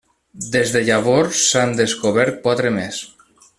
Des de llavors s'han descobert quatre més.